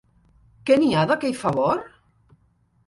Què n'hi ha d'aquell favor?